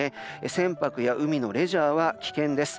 船舶や海のレジャーは危険です。